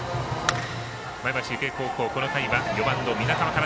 前橋育英、この回は４番の皆川から。